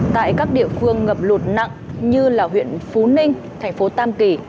tại các địa phương ngập lụt nặng như là huyện phú ninh thành phố tam kỳ